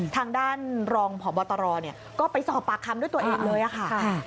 ทางด้านรองพบตรก็ไปสอบปากคำด้วยตัวเองเลยค่ะ